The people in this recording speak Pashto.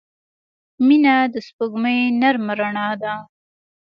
• مینه د سپوږمۍ نرمه رڼا ده.